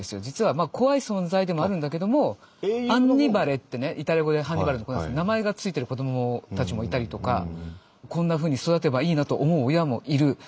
実は怖い存在でもあるんだけどもアンニバレってねイタリア語でハンニバルのことなんですけど名前が付いてる子供たちもいたりとかこんなふうに育てばいいなと思う親もいる。